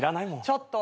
ちょっと。